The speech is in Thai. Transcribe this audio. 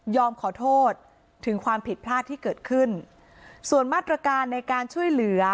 ขอโทษถึงความผิดพลาดที่เกิดขึ้นส่วนมาตรการในการช่วยเหลือ